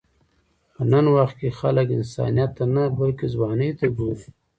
په نن وخت کې خلک انسانیت ته نه، بلکې ځوانۍ ته ګوري.